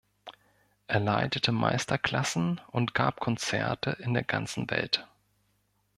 Er leitete Meisterklassen und gab Konzerte in der ganzen Welt.